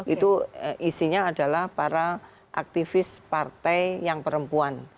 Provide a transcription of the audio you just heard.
itu isinya adalah para aktivis partai yang perempuan